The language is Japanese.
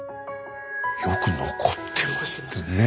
よく残ってましたね。